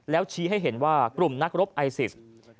แล้วชี้ให้เห็นว่ากลุ่มนักรบไอซิส